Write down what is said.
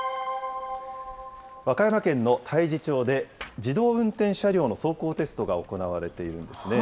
和歌山県の太地町で、自動運転車両の走行テストが行われているんですね。